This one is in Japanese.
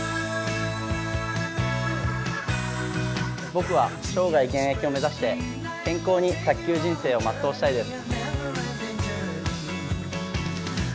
僕は生涯現役を目指して健康に卓球人生をまっとうしたいです。